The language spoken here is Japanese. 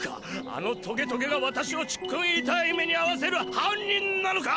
あのトゲトゲが私をちっくんいたーい目にあわせる犯人なのか！